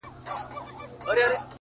د چا د زړه د چا د سترگو له دېواله وځم;